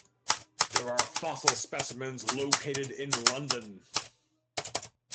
There are fossil specimens located in London.